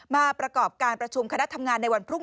มาก็ประกอบการประชุมค้าดักทำงานในวันพรุ่ง